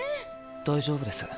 大丈夫です。